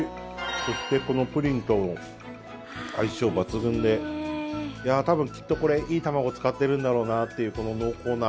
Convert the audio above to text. そしてこのプリンとも相性抜群で多分きっと、これいい卵使ってるんだろうなっていうこの濃厚な。